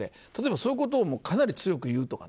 そういうことをかなり強く言うとか。